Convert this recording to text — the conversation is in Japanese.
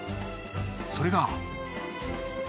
それが。